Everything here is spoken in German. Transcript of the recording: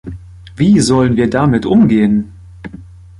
Wie sollen wir damit umgehen?